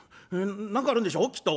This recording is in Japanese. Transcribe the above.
「何かあるんでしょきっと。